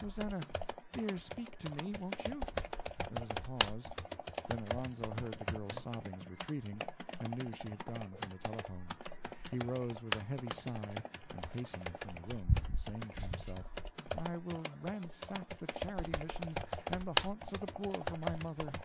Rosannah, dear speak to me, won't you?" There was a pause; then Alonzo heard the girl's sobbings retreating, and knew she had gone from the telephone. He rose with a heavy sigh, and hastened from the room, saying to himself, "I will ransack the charity missions and the haunts of the poor for my mother.